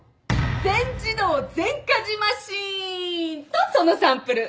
「全自動全家事マシーン」！とそのサンプル。